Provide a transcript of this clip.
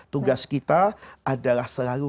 tugas kita adalah selalu